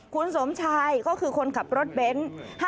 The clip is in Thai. คุณสมชายก็คือคนขับรถเบนท์